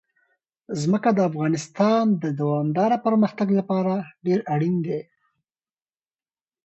ځمکه د افغانستان د دوامداره پرمختګ لپاره ډېر اړین دي.